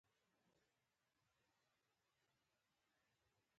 چي زه بې خاونده يم ، پر دنيا دي مړوښه نه وي.